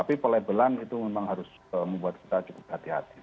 tapi pelabelan itu memang harus membuat kita cukup hati hati